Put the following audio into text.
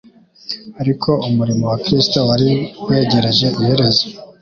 Ariko umurimo wa Kristo wari wegereje iherezo.